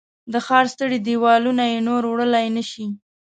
د ښار ستړي دیوالونه یې نور وړلای نه شي